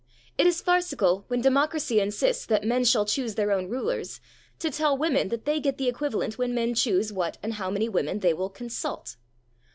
It is farcical, when democracy insists that men shall choose their own rulers, to tell women that they get the equivalent when men choose what and how many women they will "consult."